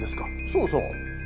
そうそう。